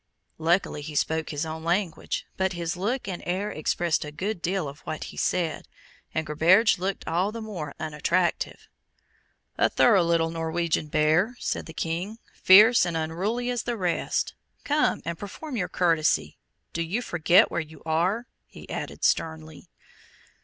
Luckily he spoke his own language; but his look and air expressed a good deal of what he said, and Gerberge looked all the more unattractive. "A thorough little Norwegian bear," said the King; "fierce and unruly as the rest. Come, and perform your courtesy do you forget where you are?" he added, sternly.